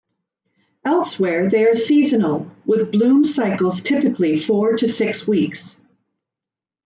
Elsewhere, they are seasonal, with bloom cycles typically four to six weeks.